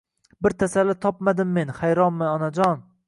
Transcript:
Bir tasalli topmadim men vayronaman Onajon